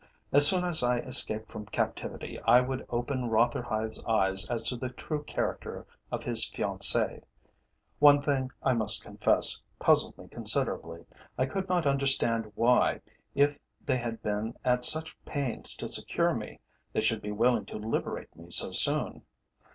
As soon as I escaped from captivity, I would open Rotherhithe's eyes as to the true character of his fiancée. One thing, I must confess, puzzled me considerably. I could not understand why, if they had been at such pains to secure me, they should be willing to liberate me so soon.